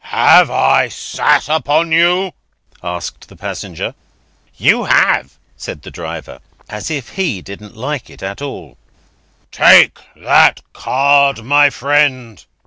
"Have I sat upon you?" asked the passenger. "You have," said the driver, as if he didn't like it at all. "Take that card, my friend."